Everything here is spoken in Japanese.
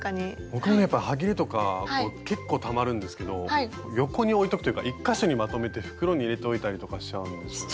僕もねやっぱりはぎれとか結構たまるんですけど横に置いとくというか１か所にまとめて袋に入れておいたりとかしちゃうんですよね。